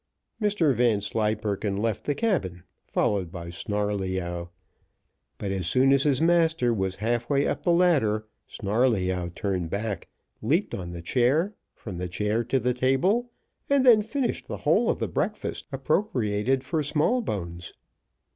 Mr Vanslyperken left the cabin, followed by Snarleyyow; but as soon as his master was half way up the ladder, Snarleyyow turned back, leaped on the chair, from the chair to the table, and then finished the whole of the breakfast appropriated for Smallbones.